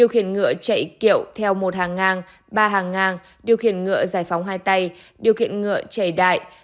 kỹ kiệu theo một hàng ngang ba hàng ngang điều khiển ngựa giải phóng hai tay điều khiển ngựa chạy đại